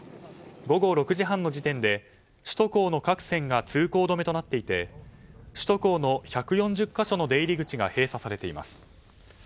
午後６時半の時点で首都高の各線が通行止めとなっていて首都高の１４０か所の出入り口が閉鎖されています。